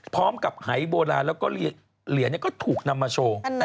พร้อมกับหายโบราณแล้วก็เหรียญก็ถูกนำมาโชว์